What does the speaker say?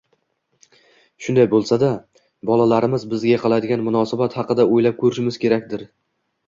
Shunday bo‘lsa-da, bolalarimiz bizga qiladigan munosabat haqida o‘ylab ko‘rishimiz kerakdir?!